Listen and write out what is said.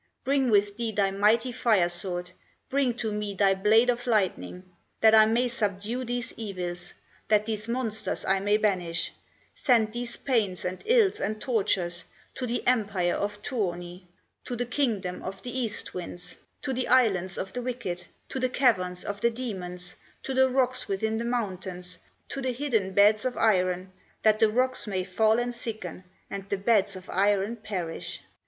Bring with thee thy mighty fire sword, Bring to me thy blade of lightning, That I may subdue these evils, That these monsters I may banish, Send these pains, and ills, and tortures, To the empire of Tuoni, To the kingdom of the east winds, To the islands of the wicked, To the caverns of the demons, To the rocks within the mountains, To the hidden beds of iron, That the rocks may fall and sicken, And the beds of iron perish.